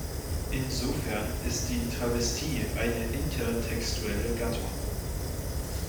Insofern ist die Travestie eine intertextuelle Gattung.